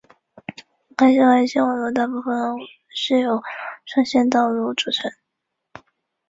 蕾哈娜和拉沙佩勒以一笔未知数量的钱平息了这件事情。